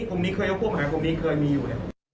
คลุมนี้เคยยกพวกมาหากลุ่มนี้เคยมีอยู่